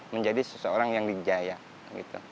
menjadi seseorang yang dijalankan